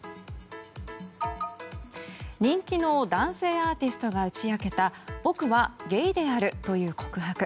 人気の男性アーティストが打ち明けた僕はゲイであるという告白。